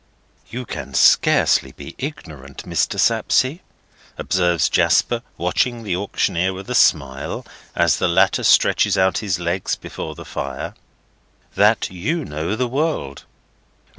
"You can scarcely be ignorant, Mr. Sapsea," observes Jasper, watching the auctioneer with a smile as the latter stretches out his legs before the fire, "that you know the world."